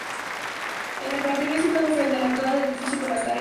En el parterre situado frente a la entrada del edificio por la calle Dr.